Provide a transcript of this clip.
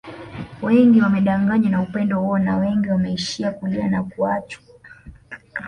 Wengi wamedanganywa na upendo huo na wengi wameishia kulia na kuachwa